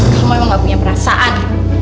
kamu emang gak punya perasaan